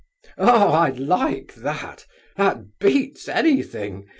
"Oh, I like that! That beats anything!"